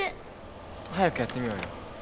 早くやってみようよ。